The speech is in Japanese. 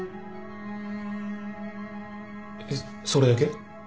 えっそれだけ？